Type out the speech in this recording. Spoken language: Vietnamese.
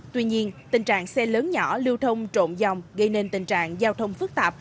tuy nhiên tình trạng xe lớn nhỏ lưu thông trộn dòng gây nên tình trạng giao thông phức tạp